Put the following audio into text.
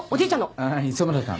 あぁ磯村さんな。